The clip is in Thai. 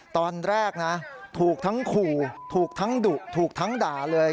ตอนแรกนะถูกทั้งขู่ถูกทั้งดุถูกทั้งด่าเลย